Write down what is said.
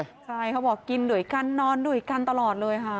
ใช่เขาบอกกินด้วยกันนอนด้วยกันตลอดเลยค่ะ